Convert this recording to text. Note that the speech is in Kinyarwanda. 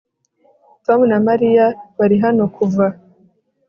Tom na Mariya bari hano kuva